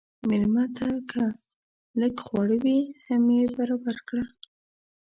مېلمه ته که لږ خواړه وي، هم یې برابر کړه.